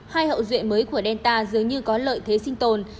hai hậu duệ mới của delta dường như có lợi thế sinh tồn